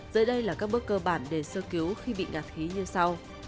dưới đây là các bước cơ bản để sơ cứu khi bị đặt khí như sau